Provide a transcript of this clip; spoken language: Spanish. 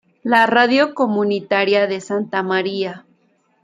La radio comunitaria de Santa María.